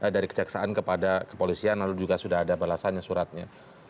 dari kejaksaan kepada kepolisian lalu juga sudah ada balasannya suratnya